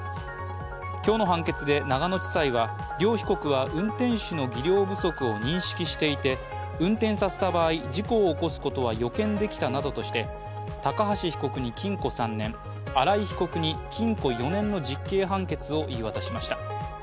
今日の判決で長野地裁は両被告は運転手の技量不足を認識していて、運転させた場合、事故を起こすことは予見できたなどとして高橋被告に禁錮３年、荒井被告に禁錮４年の実刑判決を言い渡しました。